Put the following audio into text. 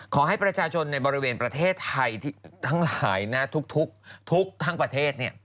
ขอให้ประชาชนในบริเวณประเทศไทยทั้งหลายทุกทั้งประเทศ